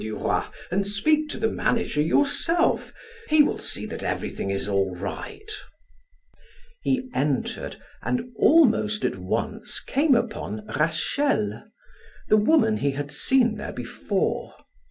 Duroy, and speak to the manager yourself; he will see that everything is all right." He entered and almost at once came upon Rachel, the woman he had seen there before.